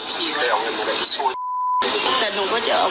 แต่หนูจะเอากับน้องเขามาแต่ว่า